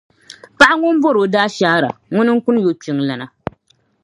Paɣa ŋun bɔri o daashaara ŋuna n-kuni yɔkpiŋlana.